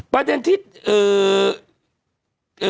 ประเด็นที่เอ่อ